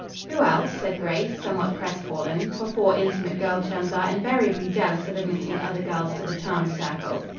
"Who else?" said Grace, somewhat crestfallen; for four intimate girl chums are invariably jealous of admitting other girls to the charmed circle.